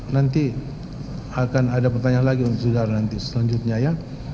nanti akan ada pertanyaan lagi untuk saudara nanti selanjutnya ya